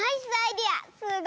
すごい！